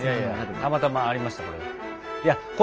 たまたまありましたこれ。